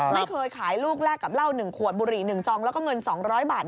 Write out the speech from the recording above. ไม่เคยขายลูกแรกกับเหล้า๑ขวดบุหรี่๑ซองแล้วก็เงิน๒๐๐บาท